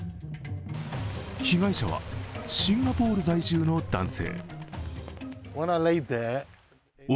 被害者はシンガポール在住の男性。